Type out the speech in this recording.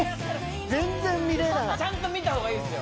全然見れないちゃんと見た方がいいですよ